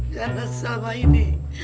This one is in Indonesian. karena selama ini